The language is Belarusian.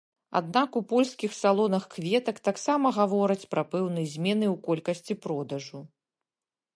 Аднак у польскіх салонах кветак таксама гавораць пра пэўныя змены ў колькасці продажу.